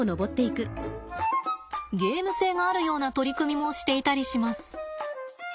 ゲーム性があるような取り組みもしていたりします。